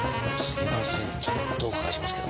すいません